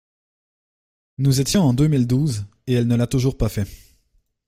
»… Nous étions en deux mille douze, et elle ne l’a toujours pas fait.